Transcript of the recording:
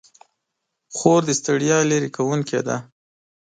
خور د ستړیا لیرې کوونکې ده.